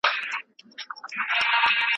علم به ژر د طبیعت عيني قوانین وپېژني.